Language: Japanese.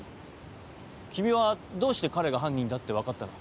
君はどうして彼が犯人だって分かったの？